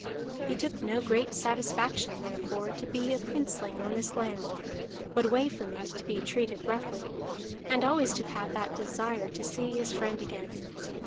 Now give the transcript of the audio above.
He took no great satisfaction, therefore, to be a princeling on his land, but away from it to be treated roughly, and always to have that desire to see his friend again.